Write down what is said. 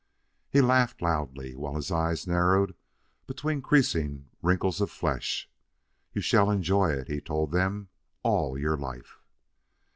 He laughed loudly, while his eyes narrowed between creasing wrinkles of flesh. "You shall enjoy it," he told them; " all your life."